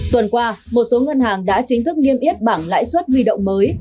tuần qua một số ngân hàng đã chính thức niêm yết bảng lãi suất huy động mới